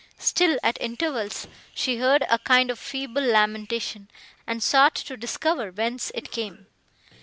Still, at intervals, she heard a kind of feeble lamentation, and sought to discover whence it came.